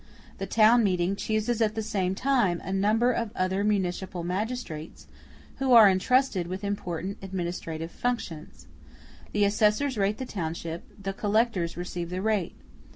The town meeting chooses at the same time a number of other municipal magistrates, who are entrusted with important administrative functions. The assessors rate the township; the collectors receive the rate.